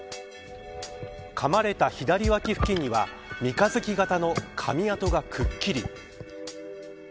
かまれた左脇付近には三日月型のかみあとがくっきり。